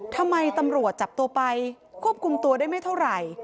ตำรวจจับตัวไปควบคุมตัวได้ไม่เท่าไหร่